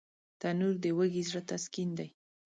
تنور د وږي زړه تسکین دی